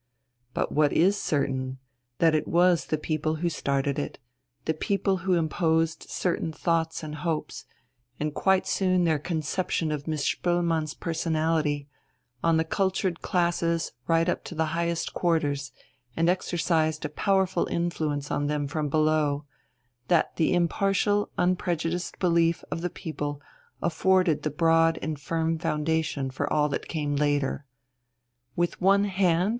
But what is certain is, that it was the people who started it, the people who imposed certain thoughts and hopes and quite soon their conception of Miss Spoelmann's personality on the cultured classes right up to the highest quarters, and exercised a powerful influence on them from below: that the impartial, unprejudiced belief of the people afforded the broad and firm foundation for all that came later. "With one hand?"